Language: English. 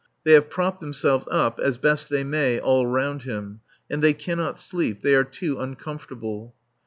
They have propped themselves up as best they may all round him, and they cannot sleep, they are too uncomfortable.